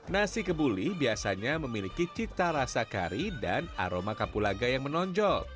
nasi kebuli biasanya memiliki cita rasa kari dan aroma kapulaga yang menonjol